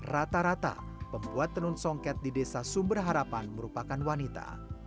rata rata pembuat tenun soket di desa sumberharapan merupakan wanita